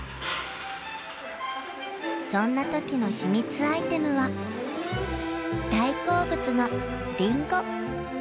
そんな時の秘密アイテムは大好物のリンゴ。